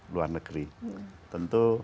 luar negeri tentu